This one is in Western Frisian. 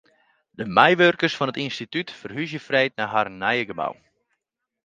De meiwurkers fan it ynstitút ferhúzje freed nei harren nije gebou.